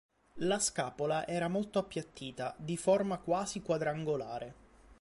La scapola era molto appiattita, di forma quasi quadrangolare.